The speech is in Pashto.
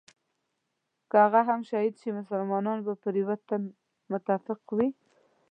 که هغه هم شهید شي مسلمانان به پر یوه تن متفق وي.